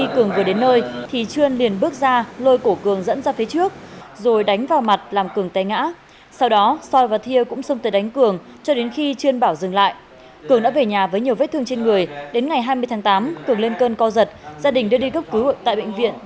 các bạn hãy đăng ký kênh để ủng hộ kênh của chúng mình nhé